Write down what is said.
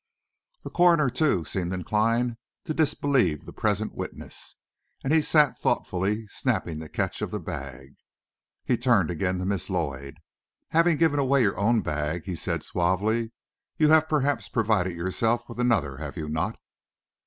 The coroner, too, seemed inclined to disbelieve the present witness, and he sat thoughtfully snapping the catch of the bag. He turned again to Miss Lloyd. "Having given away your own bag," he said suavely, "you have perhaps provided yourself with another, have you not?"